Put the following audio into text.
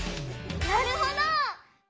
なるほど！